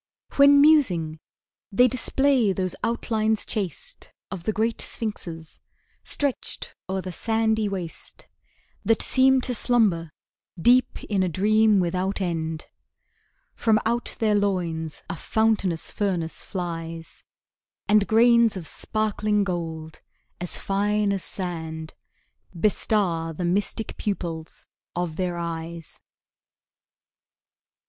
When musing, they display those outlines chaste, Of the great sphinxes stretched o'er the sandy waste, That seem to slumber deep in a dream without end: From out their loins a fountainous furnace flies, And grains of sparkling gold, as fine as sand, Bestar the mystic pupils of their eyes.